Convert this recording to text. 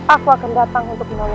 aku akan datang untuk menulis